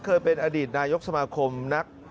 เคยเป็นอดีตนายกสมาคมนัก